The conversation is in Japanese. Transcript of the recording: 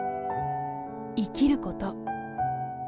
生きること。